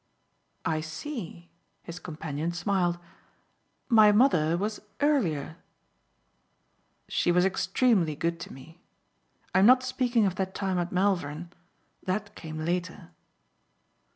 "I see." His companion smiled. "My mother was earlier." "She was extremely good to me. I'm not speaking of that time at Malvern that came later."